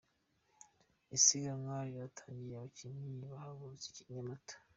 Isiganwa riratangiye, abakinnyi bahagurutse i Nyamata